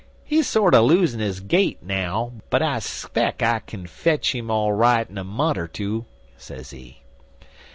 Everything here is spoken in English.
He sorter losin' his gait now, but I speck I kin fetch 'im all right in a mont' er so,' sezee.